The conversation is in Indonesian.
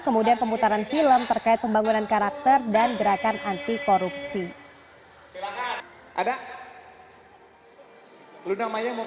kemudian pemutaran film terkait pembangunan karakter dan gerakan anti korupsi